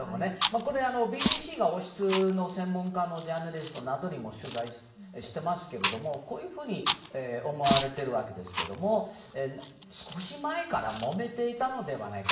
これはＢＢＣが王室専門のジャーナリストにも取材していますがこういうふうに思われているわけですけど少し前からもめていたのではないか。